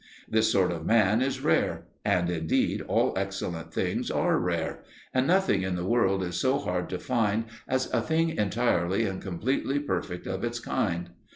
This sort of man is rare; and indeed all excellent things are rare; and nothing in the world is so hard to find as a thing entirely and completely perfect of its kind.